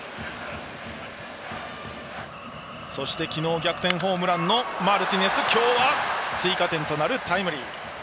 そして、昨日逆転ホームランのマルティネス。今日は追加点となるタイムリー。